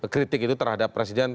ketik itu terhadap presiden